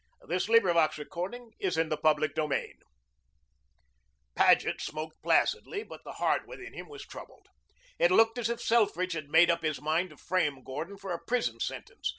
CHAPTER XVIII GORDON SPENDS A BUSY EVENING Paget smoked placidly, but the heart within him was troubled. It looked as if Selfridge had made up his mind to frame Gordon for a prison sentence.